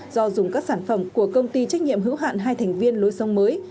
do dùng các sản phẩm của công ty trách nhiệm hữu hạn hai thành viên lối sông mới